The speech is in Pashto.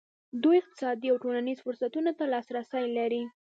دوی اقتصادي او ټولنیزو فرصتونو ته لاسرسی لري.